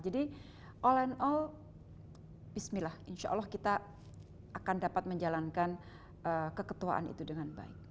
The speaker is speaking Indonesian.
jadi all and all bismillah insya allah kita akan dapat menjalankan keketuaan itu dengan baik